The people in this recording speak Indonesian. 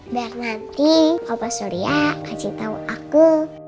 biar nanti opa surya kasih tau aku